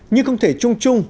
nhưng không thể chung chung